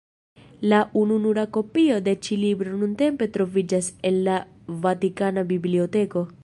La ununura kopio de ĉi libro nuntempe troviĝas en la Vatikana Biblioteko.